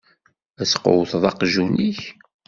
Ad tqewwteḍ aqjun-ik.